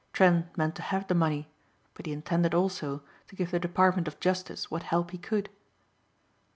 Trent meant to have the money, but he intended also to give the Department of Justice what help he could.